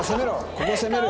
ここ攻める。